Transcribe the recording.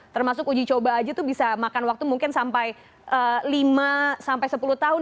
termasuk uji coba saja itu bisa makan waktu mungkin sampai lima sepuluh tahun